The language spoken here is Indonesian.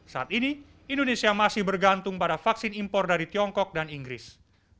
saat ini indonesia masih bergantung pada vaksin impor dari tiongkok dan inggris